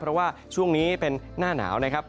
เพราะว่าช่วงนี้เป็นหน้าหนาวนะครับ